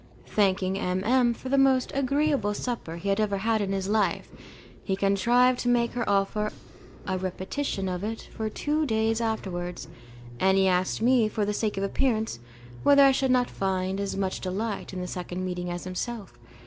Thanking M M for the most agreeable supper he had ever made in his life, he contrived to make her offer a repetition of it for two days afterwards, and he asked me, for the sake of appearance, whether I should not find as much delight in that second meeting as himself.